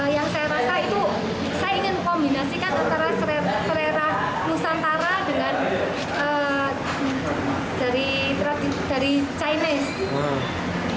yang saya rasa itu saya ingin kombinasikan antara serera nusantara dengan dari chinese